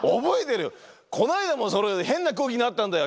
こないだもそれで変な空気になったんだよ。